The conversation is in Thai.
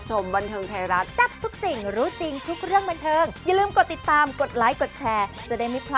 ใช่พบทุกวัยเลย